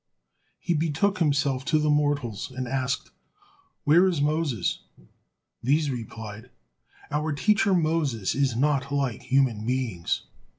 He betook himself to the mortals and asked, "Where is Moses?" These replied: "Our teacher Moses is not like human beings.